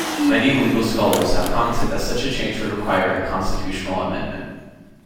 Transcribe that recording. Many legal scholars have commented that such a change would require a constitutional amendment.